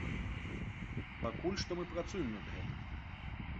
Пакуль што мы працуем над гэтым.